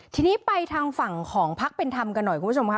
ทีนี้ไปทางฝั่งของพักเป็นธรรมกันหน่อยคุณผู้ชมค่ะ